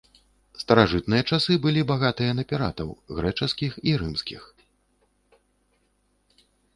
Старажытныя часы былі багатыя на піратаў, грэчаскіх і рымскіх.